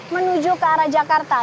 menuju ke arah jakarta